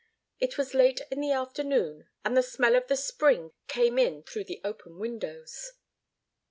It was late in the afternoon, and the smell of the spring came in through the open windows.